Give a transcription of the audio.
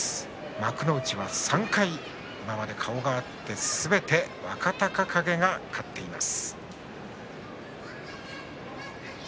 幕内では３回顔を合わせてすべて若隆景が勝っています。